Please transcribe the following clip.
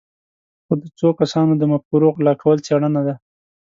خو د څو کسانو د مفکورو غلا کول څېړنه ده.